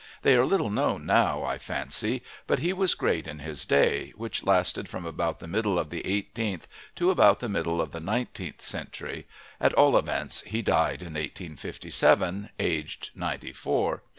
They are little known now, I fancy, but he was great in his day, which lasted from about the middle of the eighteenth to about the middle of the nineteenth century at all events, he died in 1857, aged ninety four.